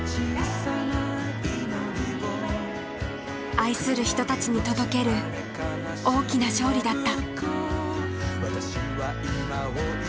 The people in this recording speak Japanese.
愛する人たちに届ける大きな勝利だった。